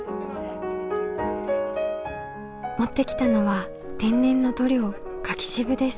持ってきたのは天然の塗料柿渋です。